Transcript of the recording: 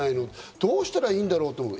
どうしたらいいんだろうって。